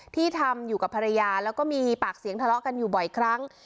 ที่ทำอยู่กับภรรยาแล้วก็มีปากเสียงทะเลาะกันอยู่บ่อยครั้ง